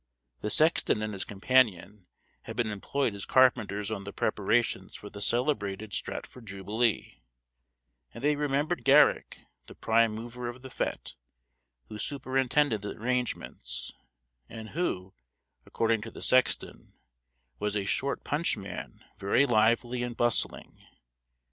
The sexton and his companion had been employed as carpenters on the preparations for the celebrated Stratford Jubilee, and they remembered Garrick, the prime mover of the fete, who superintended the arrangements, and who, according to the sexton, was "a short punch man, very lively and bustling."